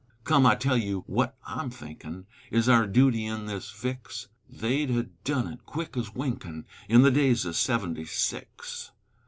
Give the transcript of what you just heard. Come, I tell you wut I'm thinkin' Is our dooty in this fix, They'd ha' done 't ez quick ez winkin' In the days o' seventy six.